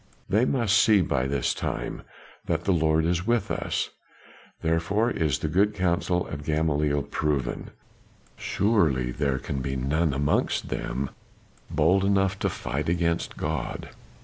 They must see by this time that the Lord is with us, therefore is the good counsel of Gamaliel proven; surely there can be none amongst them bold enough to fight against God.